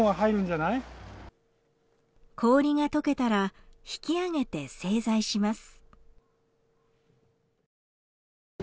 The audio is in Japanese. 氷が解けたら引き揚げて製材します。